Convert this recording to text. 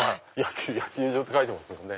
野球場って書いてますもんね。